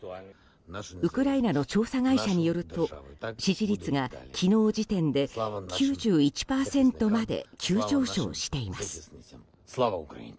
ウクライナの調査会社によると支持率が昨日時点で９１％まで急上昇しています。